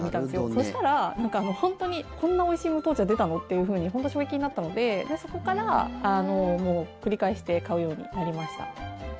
そしたら、本当にこんなおいしい無糖茶出たの？って衝撃になったのでそこから繰り返して買うようになりました。